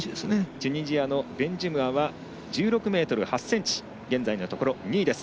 チュニジアのベンジュムアは１６ｍ８ｃｍ現在のところ２位です。